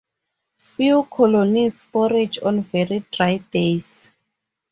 Few colonies forage on very dry days.